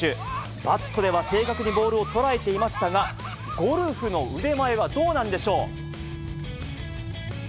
バットでは正確にボールを捉えていましたが、ゴルフの腕前はどうなんでしょう。